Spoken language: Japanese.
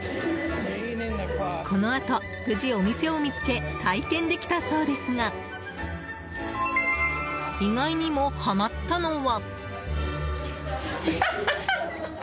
このあと、無事お店を見つけ体験できたそうですが意外にもハマったのは。